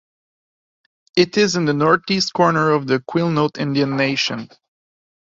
It is in the northeast corner of the Quinault Indian Nation.